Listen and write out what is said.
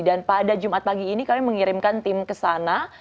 dan pada jumat pagi ini kami mengirimkan tim ke sana